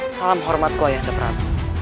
salam hormatku ayah depran